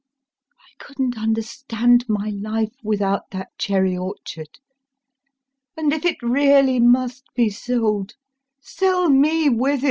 I couldn't understand my life without that cherry orchard, and if it really must be sold, sell me with it!